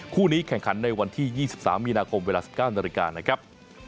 คู่นี้แข่งขันในวันที่๒๓มีนาคมเวลา๑๙นาฬิกานะครับ